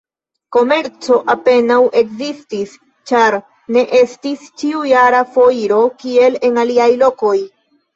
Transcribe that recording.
Komerco apenaŭ ekzistis, ĉar ne estis ĉiujara foiro, kiel en aliaj lokoj.